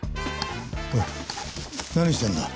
何してんだ？